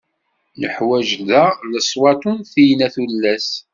Neḥwaǧ da leṣwat untiyen a tullas!